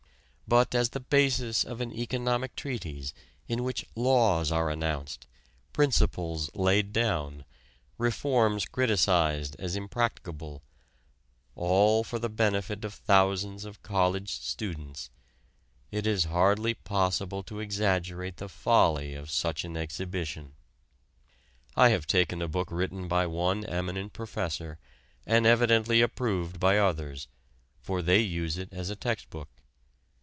But as the basis of an economic treatise in which "laws" are announced, "principles" laid down, reforms criticized as "impracticable," all for the benefit of thousands of college students, it is hardly possible to exaggerate the folly of such an exhibition. I have taken a book written by one eminent professor and evidently approved by others, for they use it as a text book.